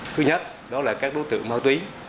thứ nhất đó là các đối tượng ma túy